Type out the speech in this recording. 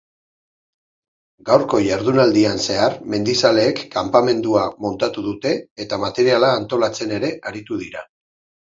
Gaurko ihardunaldian zehar mendizaleek kanpamendua montatu dute eta materiala antolatzen ere aritu dira.